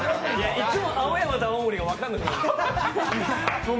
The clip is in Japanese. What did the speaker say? いつも青山と青森が分かんなくなちゃう。